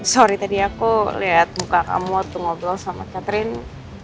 sorry tadi aku lihat buka kamu waktu ngobrol sama catherine